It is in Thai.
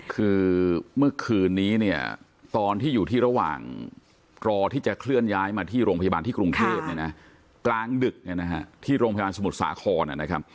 คือเมื่อคืนนี้เนี่ยตอนที่อยู่ที่ระหว่างรอที่จะเคลื่อนย้ายมาที่โรงพยาบาลที่กรุงเทพเนี่ยนะกลางดึกที่โรงพยาบาลสมุทรสาครนะครับ